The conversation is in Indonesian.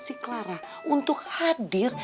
si clara untuk hadir